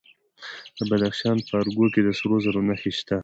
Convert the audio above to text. د بدخشان په ارګو کې د سرو زرو نښې شته.